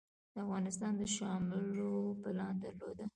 د افغانستان د شاملولو پلان درلود.